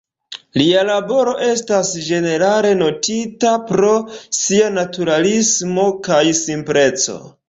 Lia laboro estas ĝenerale notita pro sia naturalismo kaj simpleco.